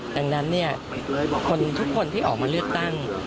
ดังนั้นคนทุกคนที่ออกมาเลือกตั้ง